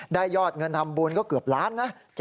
ยอดเงินทำบุญก็เกือบล้านนะ